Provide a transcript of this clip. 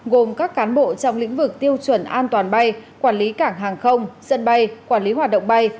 gồm các cán bộ trong lĩnh vực tiêu chuẩn an toàn bay quản lý cảng hàng không sân bay quản lý hoạt động bay